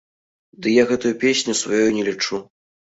Ды я гэтую песню сваёй не лічу.